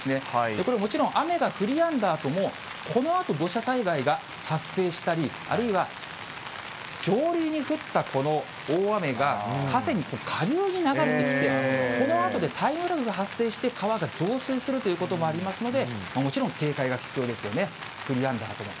これもちろん、雨が降りやんだあとも、このあと土砂災害が発生したり、あるいは上流に降ったこの大雨が、河川に、下流に流れてきて、このあとでタイムラグが発生して、川が増水するということもありますので、もちろん警戒が必要ですよね、降りやんだあとも。